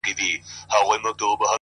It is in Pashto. • په ښکلا یې له هر چا وو میدان وړی ,